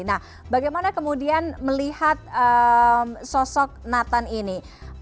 nah bagaimana kemudian melihat sosok nathan ini